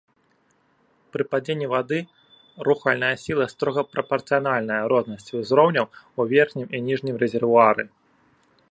Пры падзенні вады рухальная сіла строга прапарцыянальная рознасці узроўняў у верхнім і ніжнім рэзервуары.